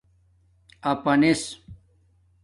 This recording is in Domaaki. آپانس